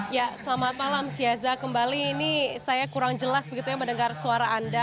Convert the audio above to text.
ya selamat malam siaza kembali ini saya kurang jelas begitu ya mendengar suara anda